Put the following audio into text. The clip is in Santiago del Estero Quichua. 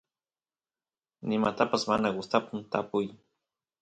nimatapas mana gustapun tapuy